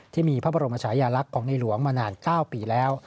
ที่มีพระบรมชายาลักษณ์ของในหลวงมานาน๙ปีแล้ว